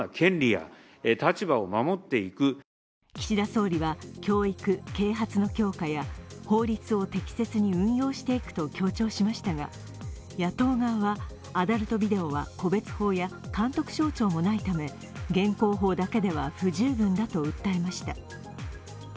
岸田総理は、教育・啓発の強化や法律を適切に運用していくと強調しましたが、野党側はアダルトビデオは個別法や監督省庁もないため現行法だけでは不十分だと訴えました。